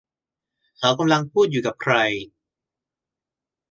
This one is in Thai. เขากำลังพูดอยู่กับใคร